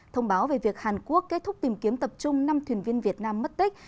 thông báo về việc hàn quốc kết thúc tìm kiếm tập trung năm thuyền viên việt nam mất tích